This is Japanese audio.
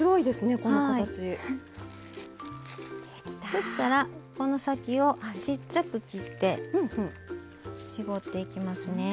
そしたらこの先をちっちゃく切って絞っていきますね。